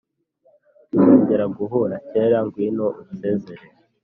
tuzongera guhura kera ngwino unsezere?